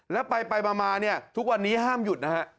แล้วไปมาเนี่ยทุกวันนี้ห้ามหยุดนะฮะ